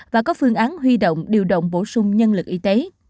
và có phương án huy động điều động bổ sung nhân lực y tế